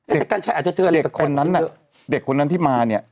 เด็กคนนั้นน่ะเด็กคนนั้นที่มานี่